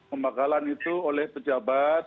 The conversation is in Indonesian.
pembekalan itu oleh pejabat